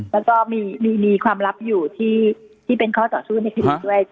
แล้วก็มีความลับอยู่ที่เป็นข้อต่อสู้ในคดีด้วย